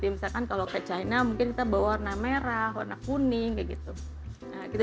misalkan kalau ke china mungkin kita bawa warna merah warna kuning kayak gitu kita